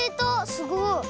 すごい。